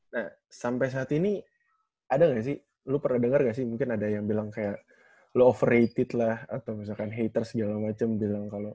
nah sampe saat ini ada ga sih lu pernah denger ga sih mungkin ada yang bilang kayak lu overrated lah atau misalkan haters segala macem bilang kalo